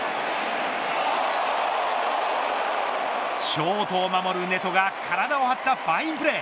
ショートを守るネトが体を張ったファインプレー。